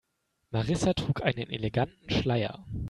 Marissa trug einen eleganten Schleier.